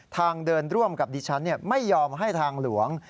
ทางเดินร่วมกับดิฉันไม่ยอมให้ทางหลวง